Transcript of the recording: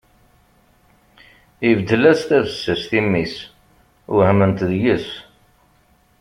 Ibeddel-as tabessast i mmi-s, wehment deg-s.